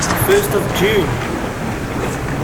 The first of June!